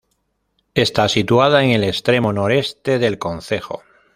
Está situada en el extremo noreste del concejo.